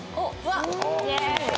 イエーイ！